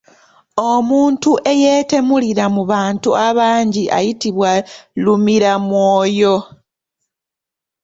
Omuntu eyeetemulira mu bantu abangi ayitibwa lumiramwoyo.